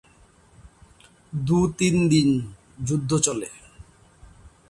দু-তিন দিন যুদ্ধ চলে।